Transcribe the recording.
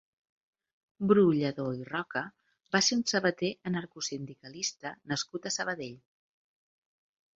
Bru Lladó i Roca va ser un sabater anarcosindicalista nascut a Sabadell.